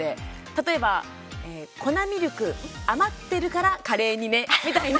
例えば、「粉ミルク余ってるからカレーにね」みたいな。